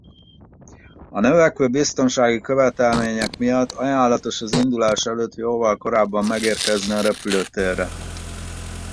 A növekvő biztonsági követelmények miatt ajánlatos az indulás előtt jóval korábban megérkezni a repülőtérre.